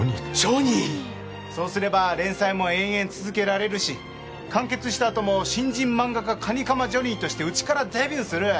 そうすれば連載も延々続けられるし完結したあとも新人漫画家蟹釜ジョニーとしてうちからデビューする。